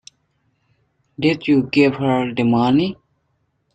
Did you give her the money?